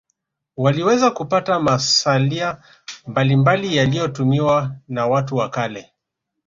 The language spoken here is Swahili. waliweza kupata masalia mbalimbali yaliyotumiwa na watu wa kale